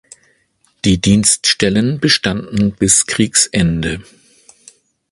Die Dienststellen bestanden bis Kriegsende.